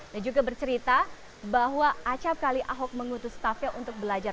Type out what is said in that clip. dan juga bercerita bahwa acap kali ahok mengutus tafe untuk belajar